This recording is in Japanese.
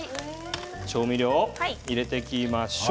調味料を入れていきましょう。